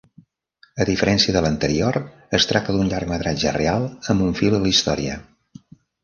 A diferència de l'anterior, es tracta d'un llargmetratge real amb un fil a la història.